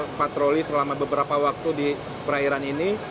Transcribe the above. kita akan berkontrol selama beberapa waktu di perairan ini